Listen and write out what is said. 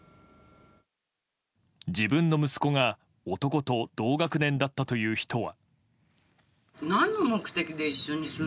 自分の息子が男と同学年だったという人は。